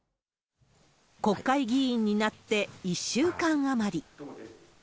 国会議員になって１週間余り。